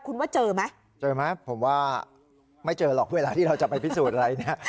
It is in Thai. คุณว่าเจอไหมเจอไหมผมว่าไม่เจอหรอกเวลาที่เราจะไปพิสูจน์อะไรเนี่ย